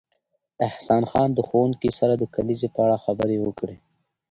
احسان خان د ښوونکي سره د کلیزې په اړه خبرې وکړې